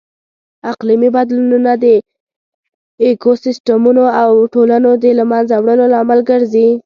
اقلیمي بدلونونه د ایکوسیسټمونو او ټولنو د لهمنځه وړلو لامل ګرځي.